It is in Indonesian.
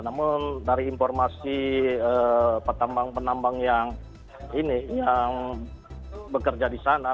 namun dari informasi penambang penambang yang bekerja di sana